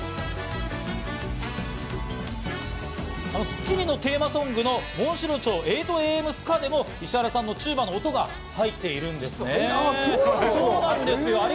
『スッキリ』のテーマソング『紋白蝶−８ａ．ｍ．ＳＫＡー』でも石原さんのチューバの音が入っているんですね。